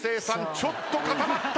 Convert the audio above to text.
ちょっと固まった。